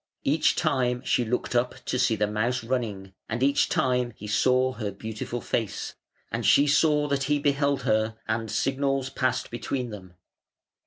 Each time she looked up to see the mouse running, and each time he saw her beautiful face, and she saw that he beheld her, and signals passed between them.